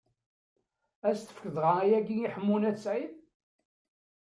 Ad as-tefkeḍ dɣa ayagi i Ḥemmu n At Sɛid?